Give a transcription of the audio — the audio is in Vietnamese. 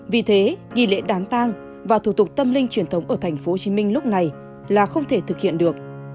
vì thế nghi lễ đám tang và thủ tục tâm linh truyền thống ở tp hcm lúc này là không thể thực hiện được